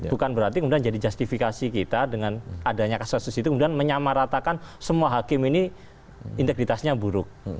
bukan berarti kemudian jadi justifikasi kita dengan adanya kasus kasus itu kemudian menyamaratakan semua hakim ini integritasnya buruk